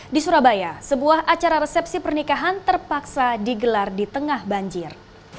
di surabaya sebuah acara resepsi pernikahan terpaksa digelar di tengah banjir